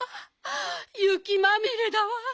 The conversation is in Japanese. ゆきまみれだわ。